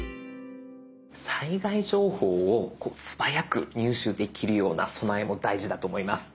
災害情報を素早く入手できるような備えも大事だと思います。